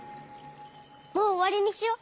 もうおわりにしよう。